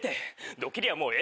ドッキリはもうええて！